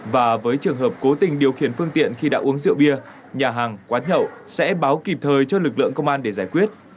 và với trường hợp cố tình điều khiển phương tiện khi đã uống rượu bia nhà hàng quán nhậu sẽ báo kịp thời cho lực lượng công an để giải quyết